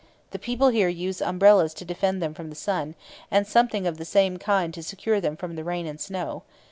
The people here use umbrellas to defend them from the sun, and something of the same kind to secure them from the rain and snow.